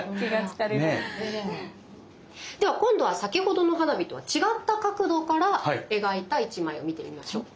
では今度は先ほどの花火とは違った角度から描いた１枚を見てみましょう。